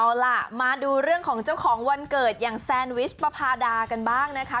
เอาล่ะมาดูเรื่องของเจ้าของวันเกิดอย่างแซนวิชปภาดากันบ้างนะคะ